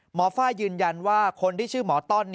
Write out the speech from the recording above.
ฝ้ายืนยันว่าคนที่ชื่อหมอต้อน